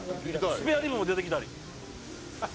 「スペアリブも出てきたり」